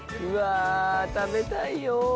「うわあ食べたいよ」